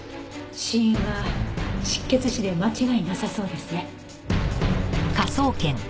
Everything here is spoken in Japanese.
死因は失血死で間違いなさそうですね。